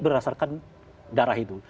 berdasarkan darah itu